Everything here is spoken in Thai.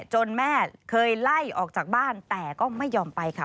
แม่เคยไล่ออกจากบ้านแต่ก็ไม่ยอมไปค่ะ